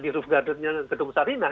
di roof garden nya gedung sarinah